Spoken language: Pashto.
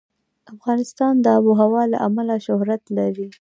افغانستان د آب وهوا له امله شهرت لري.